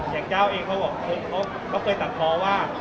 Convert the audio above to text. อย่างเจ้าเองเขาบอกเขาเคยตัดคอว่า